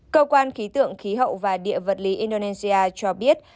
cơ quan khí tượng khí hậu và địa vật lý indonesia cho biết